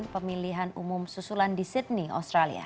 pemilihan umum susulan di sydney australia